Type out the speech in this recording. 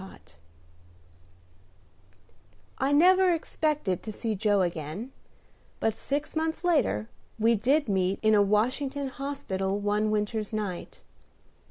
II I never expected to see Joe again; but, six months later, we did meet in a Washington hospital one winter's night.